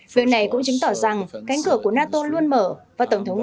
việc này cũng chứng tỏ rằng cánh cửa của nato luôn mở và tổng thống nga